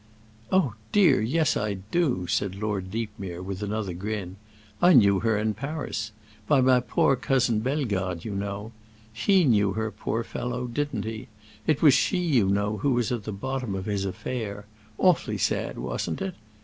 "Oh dear, yes, I do!" said Lord Deepmere, with another grin. "I knew her in Paris—by my poor cousin Bellegarde, you know. He knew her, poor fellow, didn't he? It was she, you know, who was at the bottom of his affair. Awfully sad, wasn't it?"